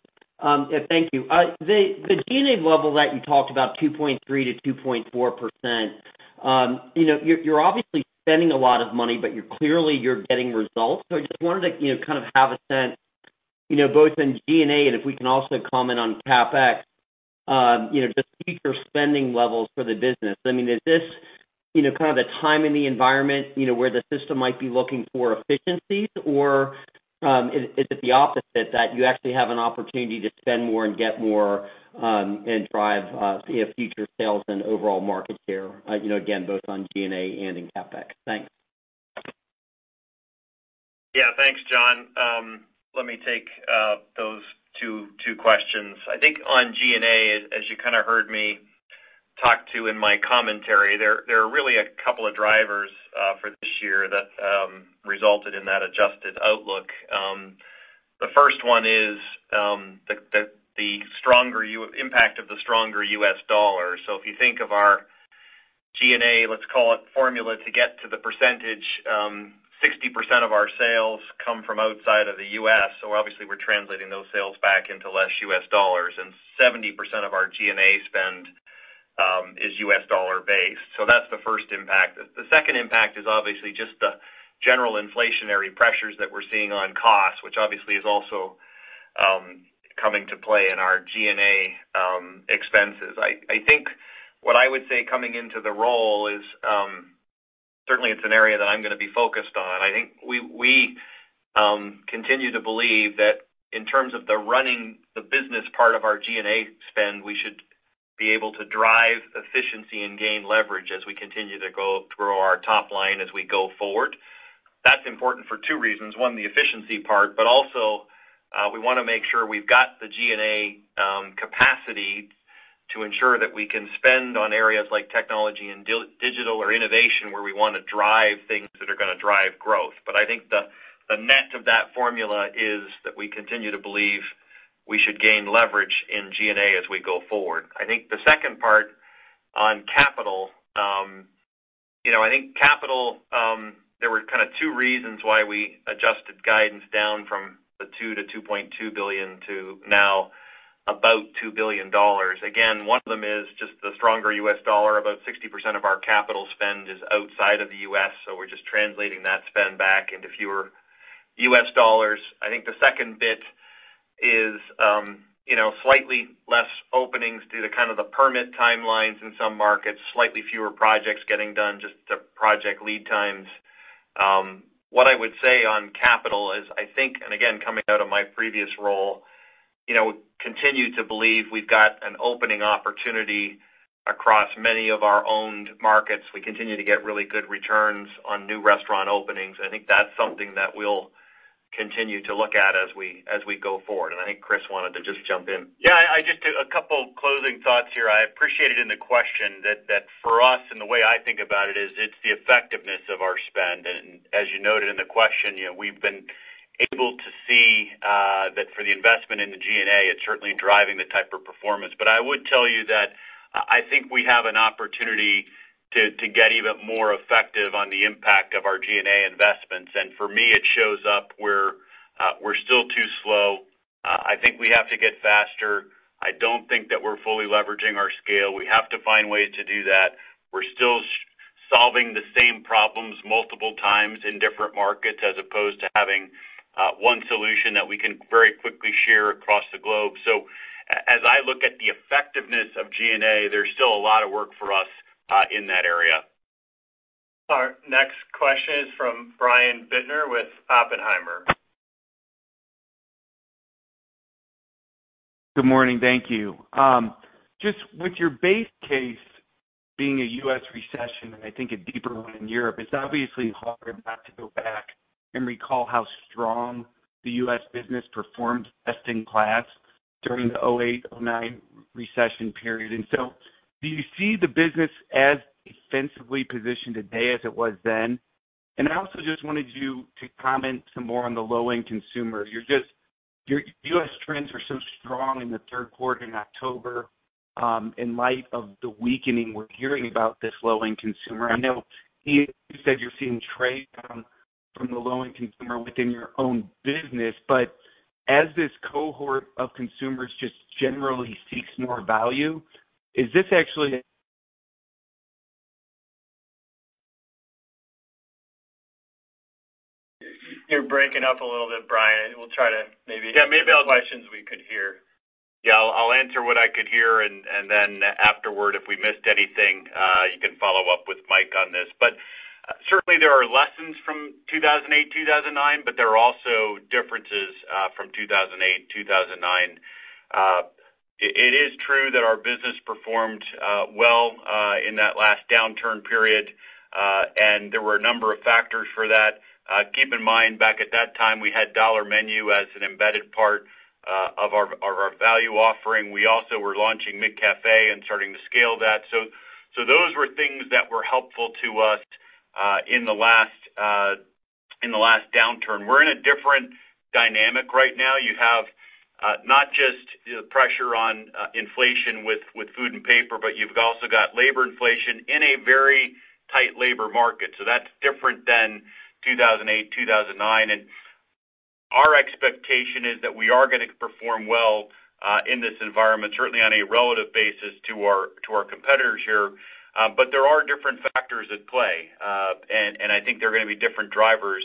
Thank you. The G&A level that you talked about, 2.3%-2.4%, you know, you're obviously spending a lot of money, but you're clearly getting results. I just wanted to, you know, kind of have a sense, you know, both in G&A, and if we can also comment on CapEx, you know, the future spending levels for the business. I mean, is this, you know, kind of a time in the environment, you know, where the system might be looking for efficiencies? Or, is it the opposite that you actually have an opportunity to spend more and get more, and drive, you know, future sales and overall market share? You know, again, both on G&A and in CapEx. Thanks. Yeah. Thanks, John. Let me take those two questions. I think on G&A, as you kind of heard me talk to in my commentary, there are really a couple of drivers for this year that resulted in that adjusted outlook. The first one is the stronger impact of the stronger US dollar. So if you think of our G&A, let's call it formula to get to the percentage, 60% of our sales come from outside of the U.S. So obviously we're translating those sales back into less US dollars, and 70% of our G&A spend is US dollar based. So that's the first impact. The second impact is obviously just the general inflationary pressures that we're seeing on costs, which obviously is also Coming into play in our G&A expenses. I think what I would say coming into the role is, certainly it's an area that I'm gonna be focused on. I think we continue to believe that in terms of running the business part of our G&A spend, we should be able to drive efficiency and gain leverage as we continue to grow our top line as we go forward. That's important for two reasons. One, the efficiency part, but also, we wanna make sure we've got the G&A capacity to ensure that we can spend on areas like technology and digital or innovation where we wanna drive things that are gonna drive growth. I think the net of that formula is that we continue to believe we should gain leverage in G&A as we go forward. I think the second part on capital, you know, there were kind of two reasons why we adjusted guidance down from the $2-$2.2 billion to now about $2 billion. Again, one of them is just the stronger US dollar. About 60% of our capital spend is outside of the US, so we're just translating that spend back into fewer US dollars. I think the second bit is, you know, slightly less openings due to kind of the permit timelines in some markets, slightly fewer projects getting done just to project lead times. What I would say on capital is, I think, and again, coming out of my previous role, you know, continue to believe we've got an opening opportunity across many of our owned markets. We continue to get really good returns on new restaurant openings. I think that's something that we'll continue to look at as we go forward. I think Chris wanted to just jump in. Yeah, a couple closing thoughts here. I appreciated in the question that for us, and the way I think about it is, it's the effectiveness of our spend. As you noted in the question, you know, we've been able to see that for the investment in the G&A, it's certainly driving the type of performance. I would tell you that I think we have an opportunity to get even more effective on the impact of our G&A investments. For me, it shows up where we're still too slow. I think we have to get faster. I don't think that we're fully leveraging our scale. We have to find ways to do that. We're still solving the same problems multiple times in different markets as opposed to having one solution that we can very quickly share across the globe. As I look at the effectiveness of G&A, there's still a lot of work for us in that area. Our next question is from Brian Bittner with Oppenheimer. Good morning. Thank you. Just with your base case being a U.S. recession, and I think a deeper one in Europe, it's obviously hard not to go back and recall how strong the U.S. business performed best in class during the 2008, 2009 recession period. Do you see the business as defensively positioned today as it was then? I also just wanted you to comment some more on the low-end consumer. Your U.S. trends are so strong in the third quarter in October, in light of the weakening we're hearing about this low-end consumer. I know you said you're seeing trade down from the low-end consumer within your own business. As this cohort of consumers just generally seeks more value, is this actually? You're breaking up a little bit, Brian. We'll try to maybe get questions we could hear. Yeah. I'll answer what I could hear, and then afterward, if we missed anything, you can follow up with Mike on this. Certainly, there are lessons from 2008, 2009, but there are also differences from 2008, 2009. It is true that our business performed well in that last downturn period, and there were a number of factors for that. Keep in mind back at that time, we had dollar menu as an embedded part of our value offering. We also were launching McCafé and starting to scale that. Those were things that were helpful to us in the last downturn. We're in a different dynamic right now. You have not just the pressure on inflation with food and paper, but you've also got labor inflation in a very tight labor market. That's different than 2008, 2009. Our expectation is that we are gonna perform well in this environment, certainly on a relative basis to our competitors here. There are different factors at play, and I think they're gonna be different drivers.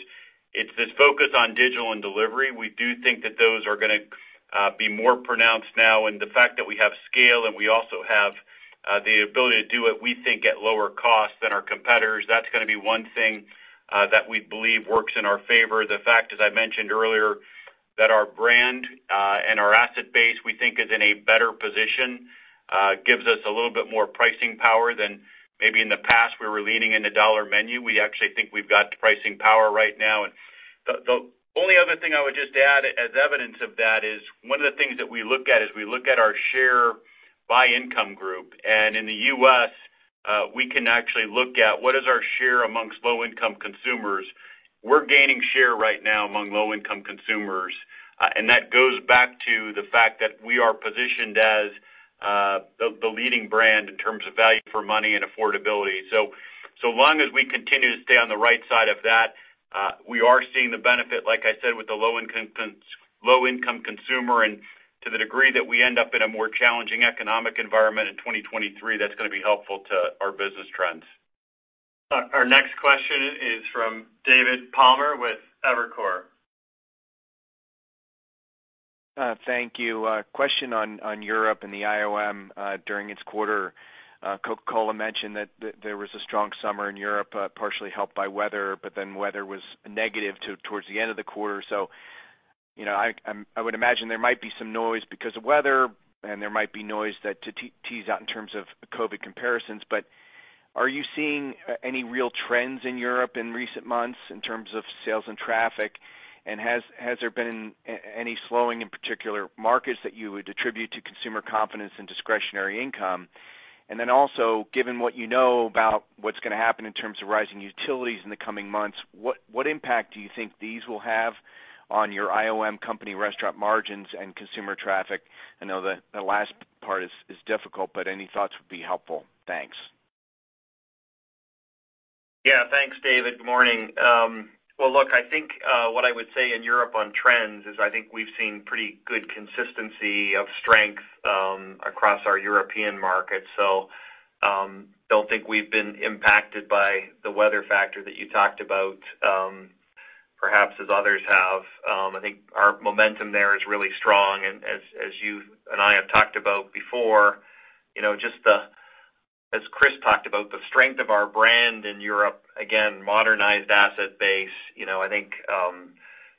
It's this focus on digital and delivery. We do think that those are gonna be more pronounced now. The fact that we have scale and we also have the ability to do it, we think at lower cost than our competitors, that's gonna be one thing that we believe works in our favor. The fact, as I mentioned earlier, that our brand and our asset base, we think is in a better position, gives us a little bit more pricing power than maybe in the past where we're leaning in the dollar menu. We actually think we've got the pricing power right now. The only other thing I would just add as evidence of that is one of the things that we look at is we look at our share by income group. In the U.S., we can actually look at what is our share among low-income consumers. We're gaining share right now among low-income consumers, and that goes back to the fact that we are positioned as the leading brand in terms of value for money and affordability. So long as we continue to stay on the right side of that, we are seeing the benefit, like I said, with the low-income consumer. To the degree that we end up in a more challenging economic environment in 2023, that's gonna be helpful to our business trends. Our next question is from David Palmer with Evercore. Thank you. A question on Europe and the IOM. During its quarter, The Coca-Cola Company mentioned that there was a strong summer in Europe, partially helped by weather, but then weather was negative towards the end of the quarter. You know, I would imagine there might be some noise because of weather and there might be noise that to tease out in terms of COVID comparisons. Are you seeing any real trends in Europe in recent months in terms of sales and traffic? Has there been any slowing in particular markets that you would attribute to consumer confidence and discretionary income? Given what you know about what's gonna happen in terms of rising utilities in the coming months, what impact do you think these will have on your IOM company restaurant margins and consumer traffic? I know the last part is difficult, but any thoughts would be helpful. Thanks. Yeah. Thanks, David. Good morning. Well, look, I think what I would say in Europe on trends is I think we've seen pretty good consistency of strength across our European markets. Don't think we've been impacted by the weather factor that you talked about, perhaps as others have. I think our momentum there is really strong. As you and I have talked about before, you know, as Chris talked about, the strength of our brand in Europe, again, modernized asset base, you know, I think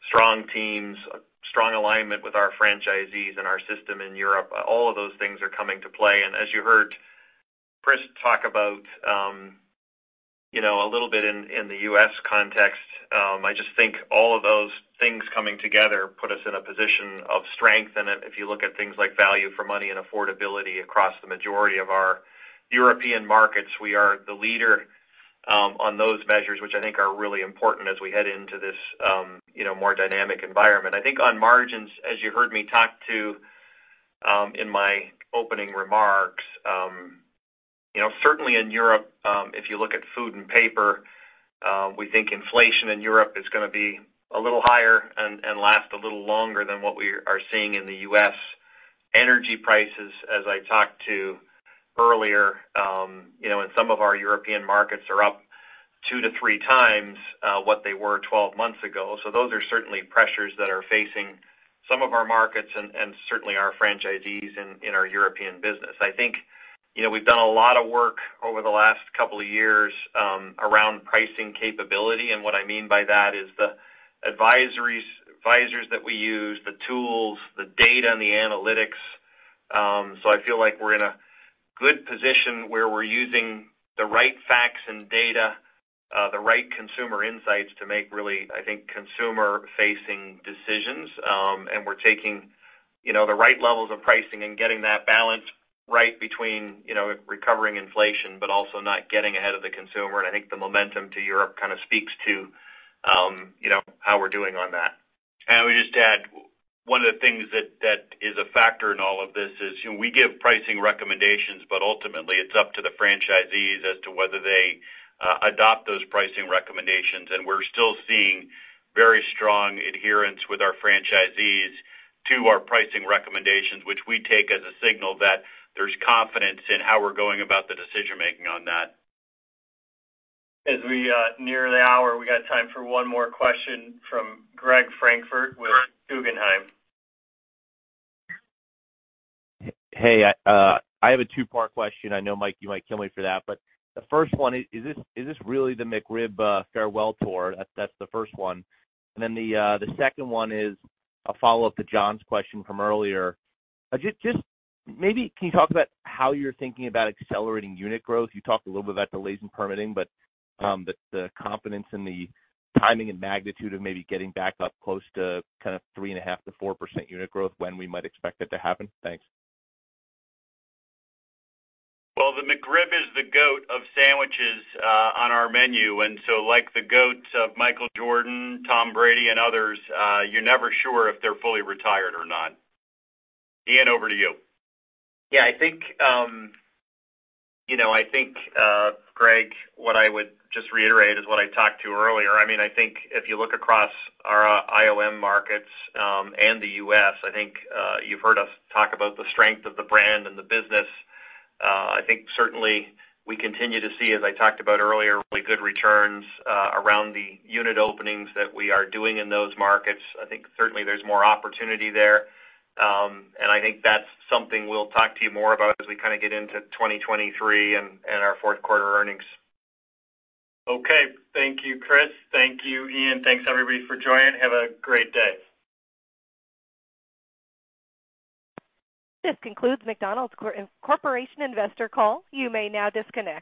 strong teams, strong alignment with our franchisees and our system in Europe, all of those things are coming to play. As you heard Chris talk about, you know, a little bit in the U.S. context, I just think all of those things coming together put us in a position of strength. If you look at things like value for money and affordability across the majority of our European markets, we are the leader on those measures, which I think are really important as we head into this, you know, more dynamic environment. I think on margins, as you heard me talk to in my opening remarks, you know, certainly in Europe, if you look at food and paper, we think inflation in Europe is gonna be a little higher and last a little longer than what we are seeing in the U.S. Energy prices, as I talked to earlier, you know, in some of our European markets are up 2-3 times what they were 12 months ago. Those are certainly pressures that are facing some of our markets and certainly our franchisees in our European business. I think, you know, we've done a lot of work over the last couple of years around pricing capability, and what I mean by that is the advisors that we use, the tools, the data and the analytics. I feel like we're in a good position where we're using the right facts and data, the right consumer insights to make really, I think, consumer-facing decisions. We're taking, you know, the right levels of pricing and getting that balance right between, you know, recovering inflation, but also not getting ahead of the consumer. I think the momentum to Europe kind of speaks to, you know, how we're doing on that. I would just add, one of the things that is a factor in all of this is, you know, we give pricing recommendations, but ultimately it's up to the franchisees as to whether they adopt those pricing recommendations. We're still seeing very strong adherence with our franchisees to our pricing recommendations, which we take as a signal that there's confidence in how we're going about the decision-making on that. As we near the hour, we got time for one more question from Gregory Francfort with Guggenheim. Hey, I have a two-part question. I know, Mike, you might kill me for that. The first one is this really the McRib farewell tour? That's the first one. Then the second one is a follow-up to John's question from earlier. Just maybe can you talk about how you're thinking about accelerating unit growth? You talked a little bit about delays in permitting, but the confidence in the timing and magnitude of maybe getting back up close to kind of 3.5%-4% unit growth, when we might expect that to happen? Thanks. The McRib is the GOAT of sandwiches on our menu. Like the GOATs of Michael Jordan, Tom Brady and others, you're never sure if they're fully retired or not. Ian, over to you. I think, you know, I think, Greg, what I would just reiterate is what I talked about earlier. I mean, I think if you look across our IOM markets, and the U.S., I think, you've heard us talk about the strength of the brand and the business. I think certainly we continue to see, as I talked about earlier, really good returns, around the unit openings that we are doing in those markets. I think certainly there's more opportunity there. I think that's something we'll talk to you more about as we kinda get into 2023 and our fourth quarter earnings. Okay. Thank you, Chris. Thank you, Ian. Thanks, everybody, for joining. Have a great day. This concludes McDonald's Corporation investor call. You may now disconnect.